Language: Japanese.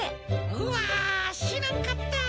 うわ知らんかった。